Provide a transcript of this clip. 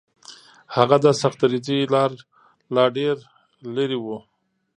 هغه د سختدریځۍ لا ډېر لرې و.